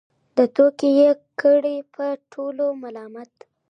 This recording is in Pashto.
توتکۍ یې کړه په ټولو ملامته